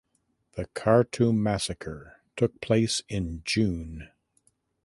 The Khartoum massacre took place in June.